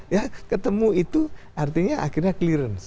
ya ketemu itu artinya akhirnya clearance